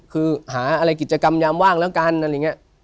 คือหาอะไรกิจกรรมยามว่างแล้วกันอะไรอย่างนี้